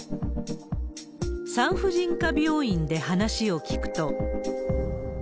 産婦人科病院で話を聞くと。